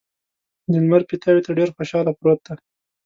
د لمر پیتاوي ته ډېر خوشحاله پروت دی.